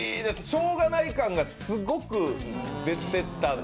しようがない感がすごく出てた。